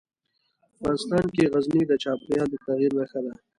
افغانستان کې غزني د چاپېریال د تغیر نښه ده.